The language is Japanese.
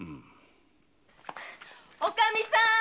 おかみさん！